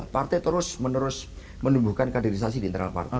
partai terus menerus menumbuhkan kaderisasi di internal partai